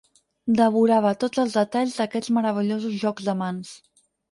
Devorava tots els detalls d'aquests meravellosos jocs de mans.